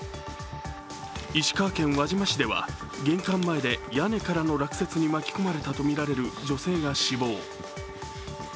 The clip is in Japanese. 石川県輪島市では、玄関前で屋根からの落雪に巻き込まれたとみられる女性が死亡。